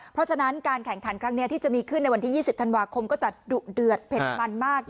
เพราะฉะนั้นการแข่งขันครั้งนี้ที่จะมีขึ้นในวันที่๒๐ธันวาคมก็จะดุเดือดเผ็ดมันมาก